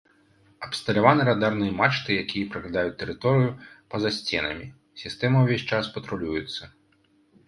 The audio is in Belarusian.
Абсталяваны радарныя мачты, якія праглядаюць тэрыторыю па-за сценамі, сістэма ўвесь час патрулюецца.